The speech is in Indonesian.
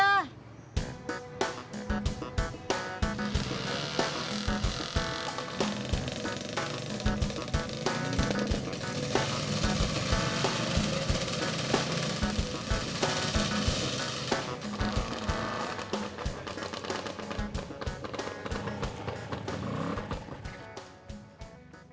ke rumahnya aja